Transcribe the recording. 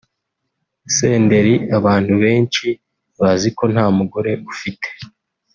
Senderi abantu benshi bazi ko nta mugore ufite